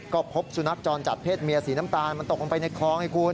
ก็พบสุนัขจรจัดเพศเมียสีน้ำตาลมันตกลงไปในคลองให้คุณ